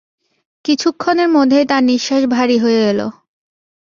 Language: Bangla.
কিছুক্ষণের মধ্যেই তার নিঃশ্বাস ভারি হয়ে এল।